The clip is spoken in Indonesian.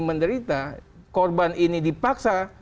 menderita korban ini dipaksa